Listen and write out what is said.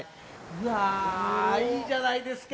うわいいじゃないですか。